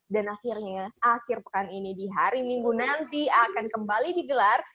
dan akhirnya akhir pekan ini di hari minggu nanti akan kembali digelar